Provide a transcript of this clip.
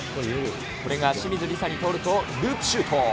これが清水梨紗に通るとループシュート。